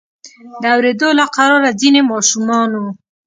د اوریدو له قراره ځینې ماشومانو.